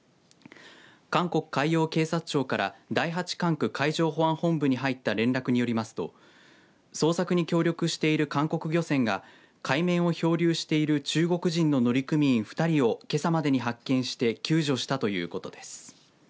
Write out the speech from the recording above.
韓国海洋警察庁から第８管区海上保安本部に入った連絡によりますと捜索に協力している韓国漁船が海面を漂流している中国人の乗組員２人をけさまでに発見して救助したということです。